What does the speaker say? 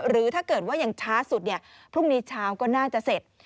หรือถ้าเกิดว่ายังช้าสุดพรุ่งนี้เช้าก็น่าจะเสร็จ